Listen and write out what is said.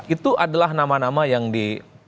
itu adalah nama nama yang di